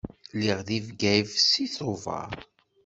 Lliɣ deg Bgayet seg Tubeṛ.